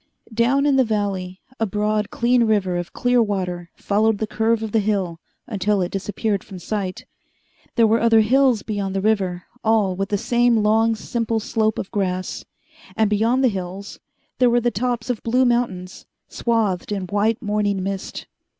Down in the valley a broad, clean river of clear water followed the curve of the hill until it disappeared from sight. There were other hills beyond the river, all with the same long, simple slope of grass; and, beyond the hills, there were the tops of blue mountains, swathed in white morning mist.